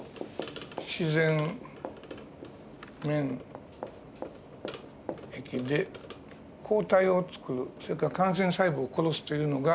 自然免疫で抗体をつくるそれから感染細胞を殺すというのが。